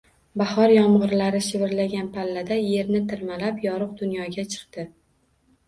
Bahor yomg’irlari shivirlagan pallada yerni tirmalab, yorug’ dunyoga chiqdi.